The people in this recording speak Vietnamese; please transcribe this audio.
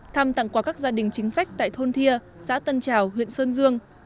thăm tặng quà các gia đình chính sách tại thôn thia xã tân trào huyện sơn dương